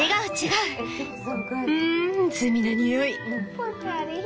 うん罪なにおい！